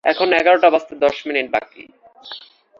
এখন এগারোটা বাজতে দশ মিনিট বাকি।